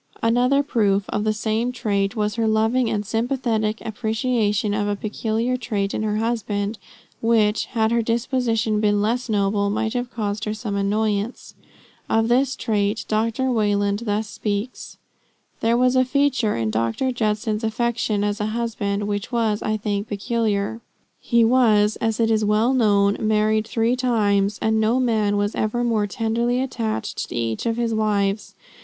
Another proof of the same trait, was her loving and sympathetic appreciation of a peculiar trait in her husband, which, had her disposition been less noble, might have caused her some annoyance. Of this trait Dr. Wayland thus speaks: "There was a feature in Dr. Judson's affection as a husband, which was, I think, peculiar. He was, as it is well known, married three times, and no man was ever more tenderly attached to each of his wives.